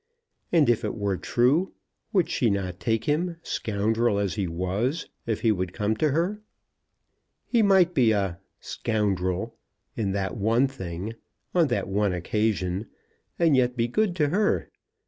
And, if it were true, would she not take him, scoundrel as he was, if he would come to her? He might be a scoundrel in that one thing, on that one occasion, and yet be good to her.